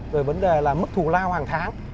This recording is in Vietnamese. rồi vấn đề là mất thù lao hàng tháng